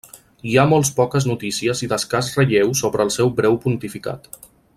Hi ha molt poques notícies i d'escàs relleu sobre el seu breu pontificat.